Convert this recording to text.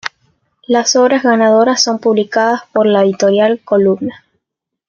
Las obras ganadoras son publicada por la Editorial Columna.